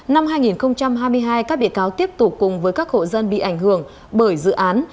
năm hai nghìn hai mươi hai các bị cáo tiếp tục cùng với các hộ dân bị ảnh hưởng bởi dự án